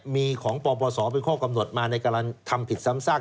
มีของปปศเป็นข้อกำหนดมาในการทำผิดซ้ำซาก